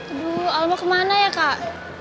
aduh alma kemana ya kak